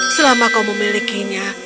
selama kau memilikinya